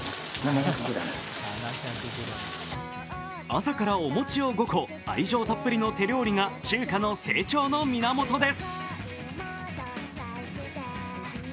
朝からお餅を５個、愛情たっぷりの手料理がチューカの成長の源です。